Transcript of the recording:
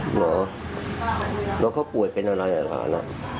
เหรอแล้วเขาป่วยเป็นอะไรอ่ะหลาน